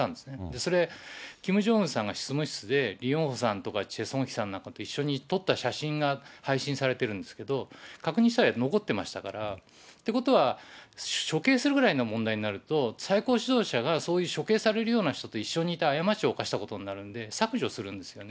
それ、キム・ジョンウンさんが執務室で、リ・ヨンホさんとか、チェ・ソンヒさんなんかと一緒に撮った写真が配信されてるんですけど、確認したら、残ってましたから、ということは、処刑するぐらいの問題になると、最高指導者が、そういう処刑されるような人と一緒にいたら過ちを犯したことになるので、削除するんですよね。